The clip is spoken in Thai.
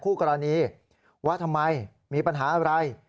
คู่กรณีว่าทำไมมีปัญหาอะไร